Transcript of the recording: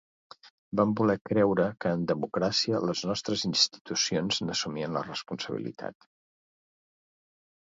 Vam voler creure que en democràcia ‘les nostres institucions’ n’assumien la responsabilitat.